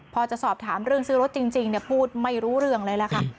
พอจะสอบถามเรื่องซื้อรถจริงพูดไม่รู้เรื่องเลยล่ะค่ะ